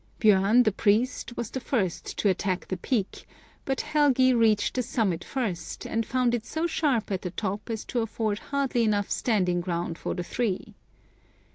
Bj'orn, the priest, was the first to attack the peak, but Helgi reached the summit first, and found it so sharp at the top as to afford hardly enough standing ground for the three.